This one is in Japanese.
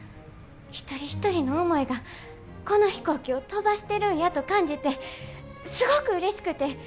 一人一人の思いがこの飛行機を飛ばしてるんやと感じてすごくうれしくて。